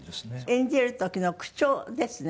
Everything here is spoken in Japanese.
演じる時の口調ですね。